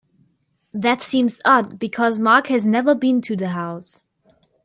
That seems odd because Mark has never been to the house.